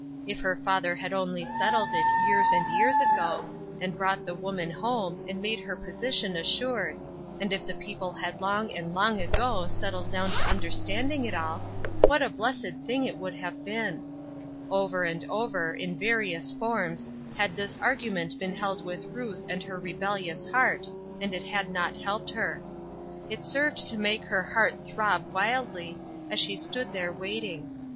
If her father had only settled it years and years ago, and brought the woman home, and made her position assured ; and if the people had long and long ago settled down to understanding it all, what a blessed thing it would have been I Over and over, in various forms, had this argument been held with Ruth and her rebellious heart, and it had not helped her. It served to make her heart throb wildly, as she stood there waiting.